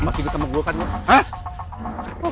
masih ketemu gue kan pak